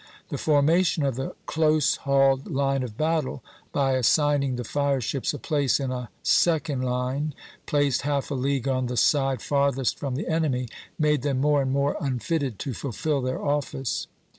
The formation of the close hauled line of battle, by assigning the fire ships a place in a second line placed half a league on the side farthest from the enemy, made them more and more unfitted to fulfil their office.